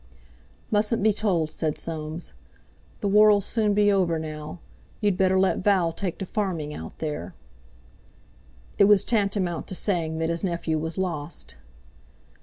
"Mustn't be told," said Soames. "The war'll soon be over now, you'd better let Val take to farming out there." It was tantamount to saying that his nephew was lost.